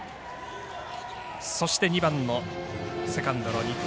そして２番のセカンドの新田。